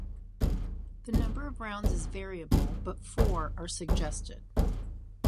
The number of rounds is variable, but four are suggested.